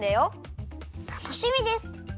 たのしみです！